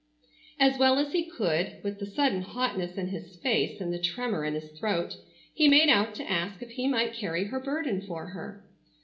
As well as he could, with the sudden hotness in his face and the tremor in his throat, he made out to ask if he might carry her burden for her.